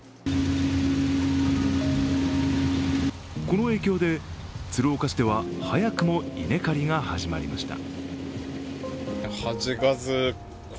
この影響で鶴岡市では早くも稲刈りが始まりました。